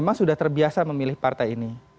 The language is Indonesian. memang sudah terbiasa memilih partai ini